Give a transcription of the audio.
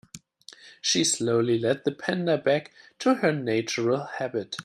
She slowly led the panda back to her natural habitat.